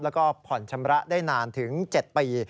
แล้วก็ผ่อนชำระได้นานถึง๗ปี